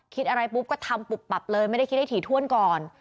คิดอะไรปุ๊บก็ทำปุบปับเลยไม่ได้คิดให้ถี่ถ้วนก่อน